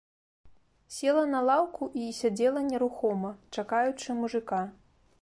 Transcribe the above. Села на лаўку і сядзела нерухома, чакаючы мужыка.